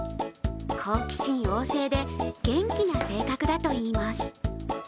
好奇心旺盛で元気な性格だといいます。